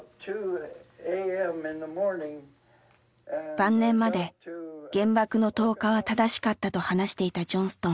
晩年まで原爆の投下は正しかったと話していたジョンストン。